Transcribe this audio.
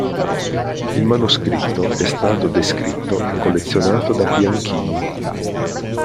Il manoscritto è stato descritto e collezionato da Bianchini.